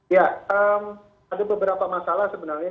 ya ada beberapa masalah sebenarnya